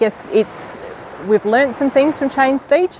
saya rasa kita telah belajar beberapa hal dari chains beach